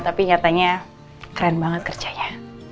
tapi katanya keren banget kerjanya